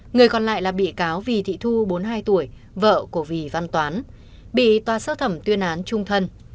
người còn lại là bị cáo vì thị thu bốn mươi hai tuổi vợ của vì văn toán bị tòa sơ thẩm tuyên án trung thân